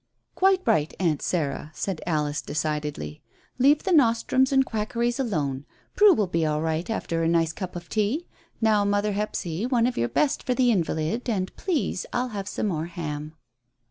"Quite right, 'Aunt' Sarah," said Alice decidedly. "Leave the nostrums and quackeries alone. Prue will be all right after a nice cup of tea. Now, mother Hephzy, one of your best for the invalid, and, please, I'll have some more ham."